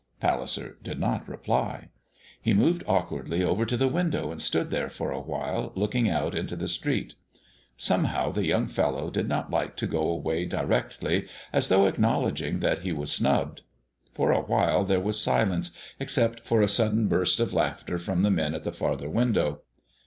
Palliser did not reply. He moved awkwardly over to the window and stood there for a while looking out into the street. Somehow the young fellow did not like to go away directly as though acknowledging that he was snubbed. For a while there was silence, except for a sudden burst of laughter from the men at the farther window.